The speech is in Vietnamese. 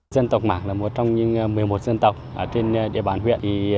dân tộc mạng là một trong những một mươi một dân tộc ở trên địa bàn huyện